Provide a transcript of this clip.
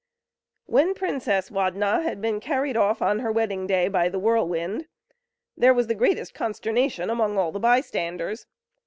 When Princess Ladna had been carried off on her wedding day by the whirlwind, there was the greatest consternation among all the bystanders.